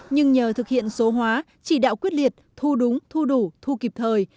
nhưng nhờ thực hiện số hóa chỉ đạo quyết liệt thu đúng thu đủ thu kịp thời